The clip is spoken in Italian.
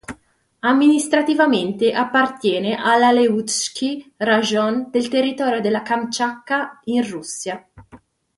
Amministrativamente appartiene all'Aleutskij rajon del territorio della Kamčatka, in Russia.